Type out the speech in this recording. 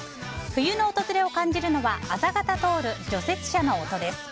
冬の訪れを感じるのは朝方、除雪車の音です。